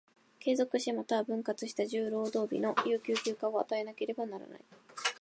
継続し、又は分割した十労働日の有給休暇を与えなければならない。